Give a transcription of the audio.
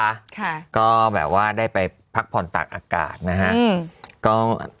ค่ะก็แบบว่าได้ไปพักผ่อนตากอากาศนะฮะอืมก็